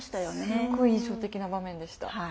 すごい印象的な場面でした。